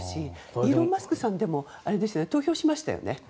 イーロン・マスクさんは投票しましたよね。